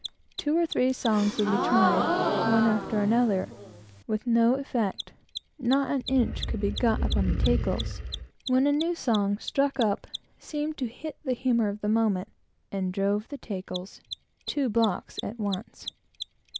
Two or three songs would be tried, one after the other; with no effect; not an inch could be got upon the tackles when a new song, struck up, seemed to hit the humor of the moment, and drove the tackles "two blocks" at once.